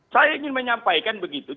saya ingin menyampaikan begitu